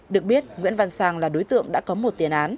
được biết nguyễn văn sang là đối tượng đã có một tiền án